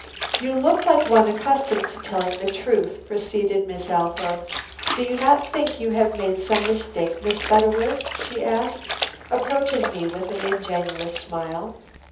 "You look like one accustomed to tell the truth," proceeded Miss Althorpe. "Do you not think you have made some mistake, Miss Butterworth?" she asked, approaching me with an ingenuous smile.